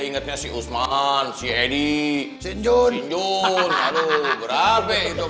ingetnya sih usman version di experience jodoh urinaletv teman teman hi hi bam